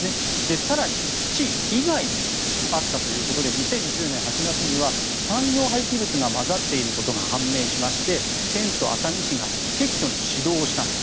更に土以外もあったということで２０１０年８月には産業廃棄物が混ざっていることが判明しまして県と熱海市が撤去の指導をしたんです。